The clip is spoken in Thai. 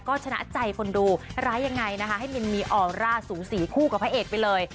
ก็ชนะใจคนดูร้ายยังไงนะคะให้มินมีออร่าสูสีคู่กับพระเอกไปเลย